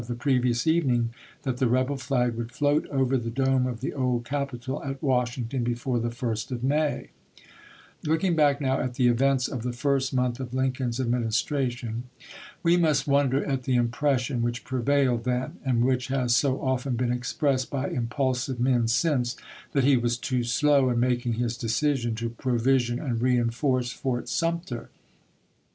ReTeuioE previous evening that the rebel flag would " float v?ll,doc over the dome of the old Capitol at Washington T^issf' before the 1st of May," Looking back now at the events of the first month of Lincoln's Administration, we must won der at the impression which prevailed then, and which has so often been expressed by impulsive men since, that he was too slow in makiug his decision to pro\dsion and reenforce Fort Sumter.